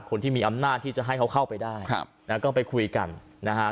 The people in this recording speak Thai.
คนที่มีอำนาจที่จะให้เขาเข้าไปได้ครับนะฮะก็ไปคุยกันนะฮะ